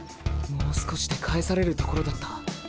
もう少しで返されるところだった。